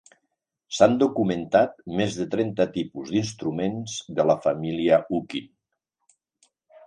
S'han documentat més de trenta tipus d'instruments de la família "huqin".